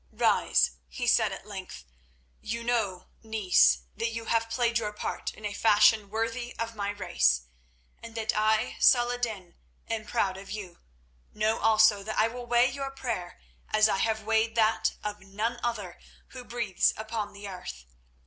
"Rise," he said at length, "and know, niece, that you have played your part in a fashion worthy of my race, and that I, Salah ed din, am proud of you. Know also that I will weigh your prayer as I have weighed that of none other who breathes upon the earth.